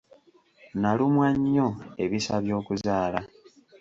Nnalumwa nnyo ebisa by'okuzaala.